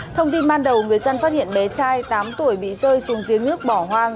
thông tin ban đầu người dân phát hiện bé trai tám tuổi bị rơi xuống giếng nước bỏ hoang